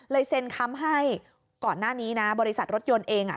เซ็นคำให้ก่อนหน้านี้นะบริษัทรถยนต์เองอ่ะ